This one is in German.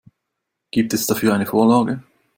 Gibt es dafür eine Vorlage?